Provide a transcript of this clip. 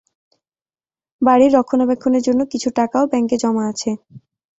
বাড়ির রক্ষণাবেক্ষণের জন্যে কিছু টাকাও ব্যাঙ্কে জমা আছে।